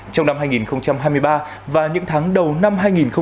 trong năm hai nghìn hai mươi ba và những tháng đầu năm hai nghìn hai mươi bốn